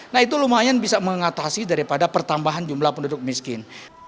nah itu lumayan bisa mengatasi daripada pertambahan jumlah penduduk miskin